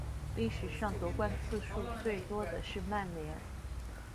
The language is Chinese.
历史上夺冠次数最多的是曼联。